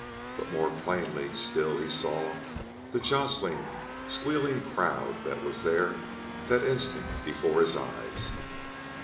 But more plainly still he saw the jostling, squealing crowd that was there that instant before his eyes.